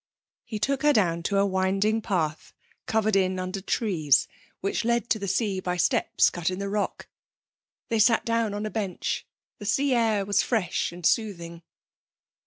He took her down to a winding path covered in under trees, which led to the sea by steps cut in the rock. They sat down on a bench. The sea air was fresh and soothing.